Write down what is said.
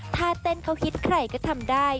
ถ้าเต้นเขาฮิตใครก็ทำได้